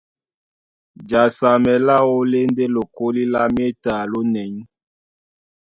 Jasamɛ láō lá e ndé lokólí lá méta lónɛ̌y.